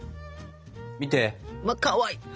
見て！わっかわいい！